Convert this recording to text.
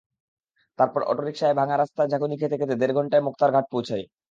তারপর অটোরিকশায় ভাঙা রাস্তার ঝাঁকুনি খেতে খেতে দেড় ঘণ্টায় মোক্তার ঘাট পৌঁছাই।